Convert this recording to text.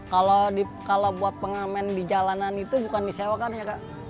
kalau buat pengamen di jalanan itu bukan disewakan ya kak